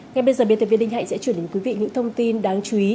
ngay bây giờ biên tập viên đinh hạnh sẽ chuyển đến quý vị những thông tin đáng chú ý